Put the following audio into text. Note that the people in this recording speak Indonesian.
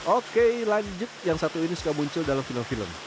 oke lanjut yang satu ini suka muncul dalam film film